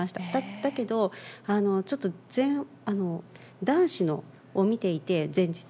だけど、ちょっと男子のを見ていて、前日。